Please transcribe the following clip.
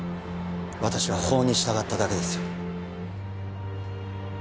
私は法に従っただけですよ